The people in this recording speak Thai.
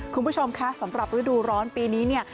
คุณผู้ชมคะสำหรับฤดูร้อนปีนี้เนี่ย